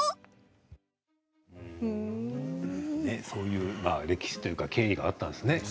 そういう歴史というか経緯だったんですね。